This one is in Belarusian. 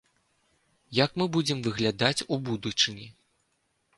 Як мы будзем выглядаць у будучыні?